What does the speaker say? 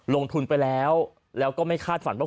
ลงทุนไปแล้วแล้วก็ไม่คาดฝันว่า